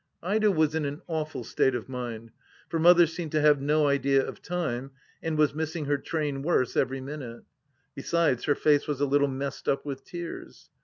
Ida was in an awful state, of mind, for Mother seemed to have no idea of time, and was missing her train worse every minute. Besides, her face was a little messed up with tears.